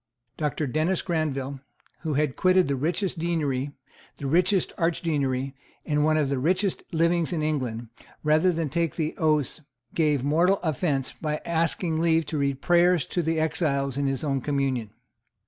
Doctor Dennis Granville, who had quitted the richest deanery, the richest archdeaconry and one of the richest livings in England, rather than take the oaths, gave mortal offence by asking leave to read prayers to the exiles of his own communion.